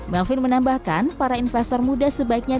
melvin menambahkan para investor muda sebaiknya